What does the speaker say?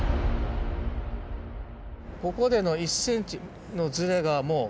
ここでの１ｃｍのズレがもう。